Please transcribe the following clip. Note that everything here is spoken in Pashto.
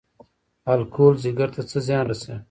الکول ځیګر ته څه زیان رسوي؟